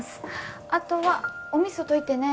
あとはお味噌溶いてね。